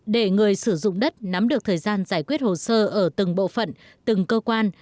để người sử dụng đất nắm được thời gian giải quyết hồ sơ ở từng bộ phận từng cơ quan